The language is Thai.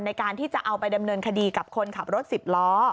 ในการที่จะเอาไปดำเนินคดีกับคนขับรถ๑๐ล้อ